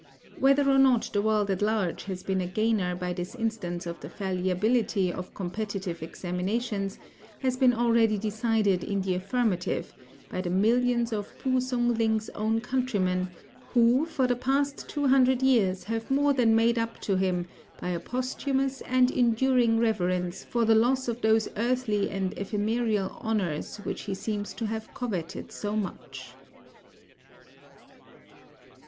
Whether or not the world at large has been a gainer by this instance of the fallibility of competitive examinations has been already decided in the affirmative by the millions of P'u Sung ling's own countrymen, who for the past two hundred years have more than made up to him by a posthumous and enduring reverence for the loss of those earthly and ephemeral honours which he seems to have coveted so much.